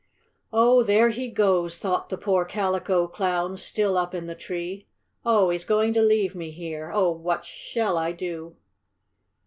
"Oh, there he goes!" thought the poor Calico Clown, still up in the tree. "Oh, he's going to leave me here! Oh, what shall I do?"